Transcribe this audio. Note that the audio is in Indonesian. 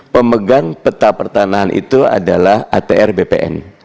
pemegang peta pertanahan itu adalah atr bpn